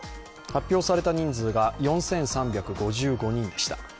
発表された人数が４３５５人でした。